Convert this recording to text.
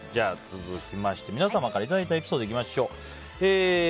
皆様からいただいたエピソードいきましょう。